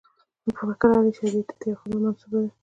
مفکر علي شریعیتي ته یوه خبره منسوبه ده.